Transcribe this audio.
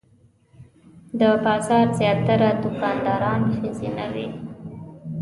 د بازار زیاتره دوکانداران ښځینه وې.